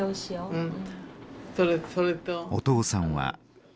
うん。